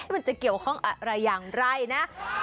มันจะเกี่ยวข้องอะไรอย่างไรนะ